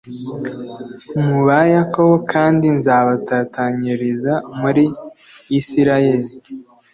mu ba yakobo kandi nzabatatanyiriza muri isirayeli